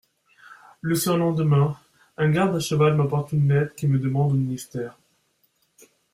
Le surlendemain, un garde à cheval m'apporte une lettre qui me demande au ministère.